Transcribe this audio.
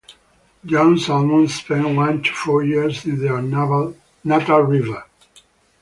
Young salmon spend one to four years in their natal river.